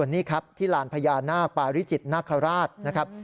นี่ครับที่ลานพญานาคปาริจิตนาคาราชนะครับ